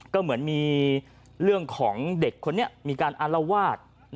ก็เหมือนมีเรื่องของเด็กคนนี้มีการอารวาส